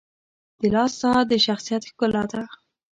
• د لاس ساعت د شخصیت ښکلا ده.